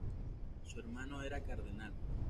Su hermano era cardenal.